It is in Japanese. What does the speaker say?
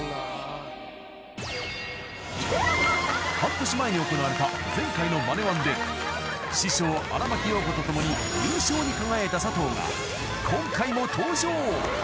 ［半年前に行われた前回の『ＭＡＮＥ−１』で師匠荒牧陽子と共に優勝に輝いた佐藤が今回も登場！］